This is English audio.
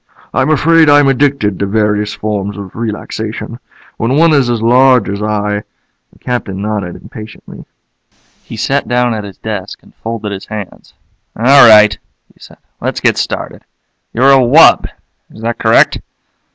"I'm afraid I'm addicted to various forms of relaxation. When one is as large as I " The Captain nodded impatiently. He sat down at his desk and folded his hands. "All right," he said. "Let's get started. You're a wub? Is that correct?"